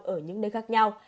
ở những nơi khác nhau